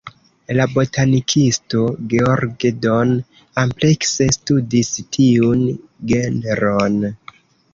La botanikisto George Don amplekse studis tiun genron.